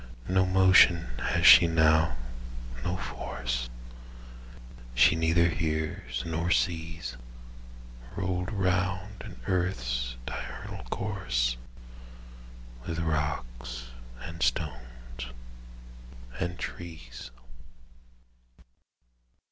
No motion has she now, no force; She neither hears nor sees; Rolled round in earth's diurnal course, With rocks, and stones, and trees.